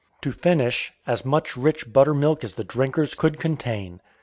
To finish as much rich buttermilk as the drinkers could contain.